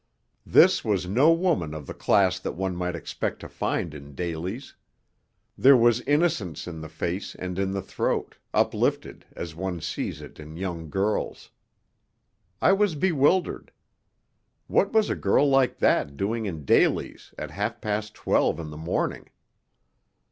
This was no woman of the class that one might expect to find in Daly's. There was innocence in the face and in the throat, uplifted, as one sees it in young girls. I was bewildered. What was a girl like that doing in Daly's at half past twelve in the morning?